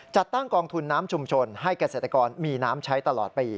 จัดตั้งกองทุนน้ำชุมชนให้เกษตรกรมีน้ำใช้ตลอดปี